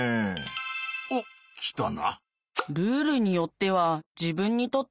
おっ来たな！